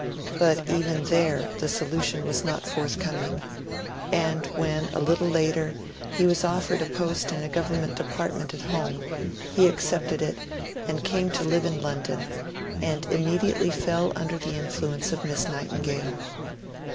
But, even there, the solution was not forthcoming; and, when, a little later, he was offered a post in a government department at home, he accepted it, came to live in London, and immediately fell under the influence of Miss Nightingale.